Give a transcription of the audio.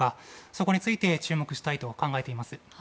そこについて注目したいと考えています。